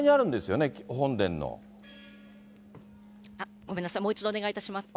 ごめんなさい、もう一度お願いいたします。